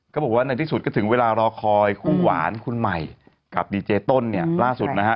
ก็บอกว่าในที่สุดก็ถึงเวลารอคอยคู่หวานคุณใหม่กับดีเจต้นเนี่ยล่าสุดนะฮะ